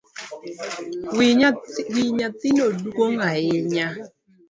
Wi nyathino duong’ ahinya